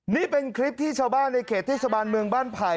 นี่เป็นคลิปที่ชาวบ้านในเขตเทศบาลเมืองบ้านไผ่